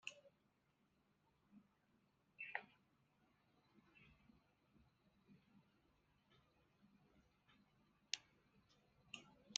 D ifassen n wefṛux i tesɛa.